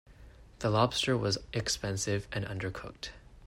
The lobster was expensive and undercooked.